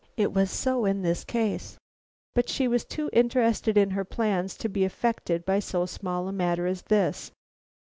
It was so in this case; but she was too interested in her plans to be affected by so small a matter as this."